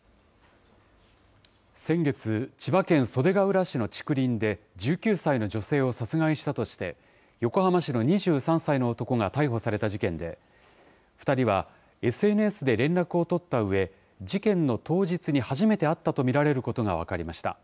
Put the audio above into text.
先月、千葉県袖ケ浦市の竹林で、１９歳の女性を殺害したとして、横浜市の２３歳の男が逮捕された事件で、２人はＳＮＳで連絡を取ったうえ、事件の当日に初めて会ったと見られることが分かりました。